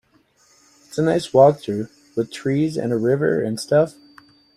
It's a nice walk though, with trees and a river and stuff.